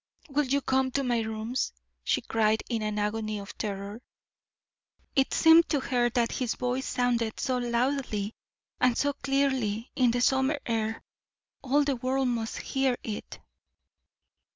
"Will you come to my rooms?" she cried, in an agony of terror. It seemed to her that his voice sounded so loudly and so clearly in the summer air, all the world must hear it.